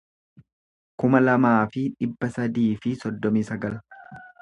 kuma lamaa fi dhibba sadii fi soddomii sagal